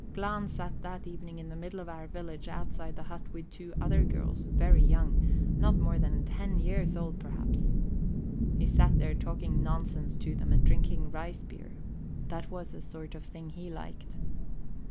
Glahn sat that evening in the middle of our village outside a hut with two other girls, very young not more than ten years old, perhaps. He sat there talking nonsense to them, and drinking rice beer; that was the sort of thing he liked.